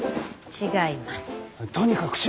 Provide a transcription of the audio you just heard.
違います！